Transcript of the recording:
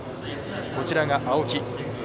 こちらが青木。